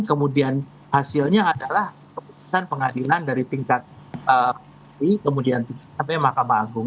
kemudian hasilnya adalah keputusan pengadilan dari tingkat kemudian sampai mahkamah agung